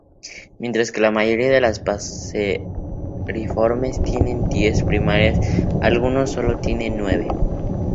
Mientras que la mayoría de las passeriformes tienen diez primarias, algunos sólo tienen nueve.